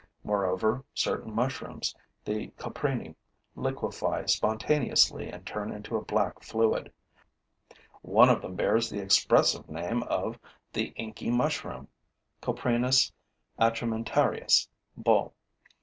Moreover, certain mushrooms, the coprini, liquefy spontaneously and turn into a black fluid. One of them bears the expressive name of the inky mushroom (Coprinus atramentarius, BULL.)